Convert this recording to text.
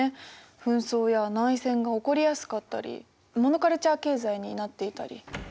紛争や内戦が起こりやすかったりモノカルチャー経済になっていたり。